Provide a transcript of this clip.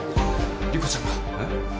莉子ちゃんが。えっ？